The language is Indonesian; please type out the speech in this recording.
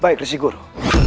baik rizky guru